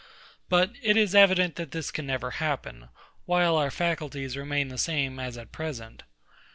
But it is evident that this can never happen, while our faculties remain the same as at present.